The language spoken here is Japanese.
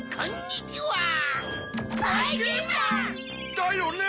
だよね？